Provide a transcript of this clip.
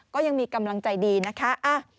ก็ยังมีกำลังใจดีนะคะ